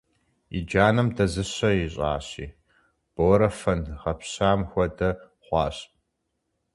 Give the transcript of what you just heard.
И джанэм дэзыщэ ищӏащи, Борэ фэнд гъэпщам хуэдэ хъуащ.